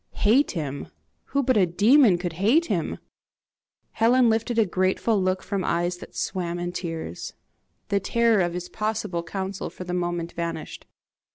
"Hate him! Who but a demon could hate him?" Helen lifted a grateful look from eyes that swam in tears. The terror of his possible counsel for the moment vanished.